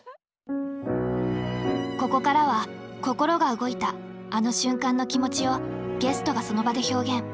ここからは心が動いたあの瞬間の気持ちをゲストがその場で表現。